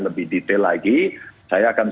lebih detail lagi saya akan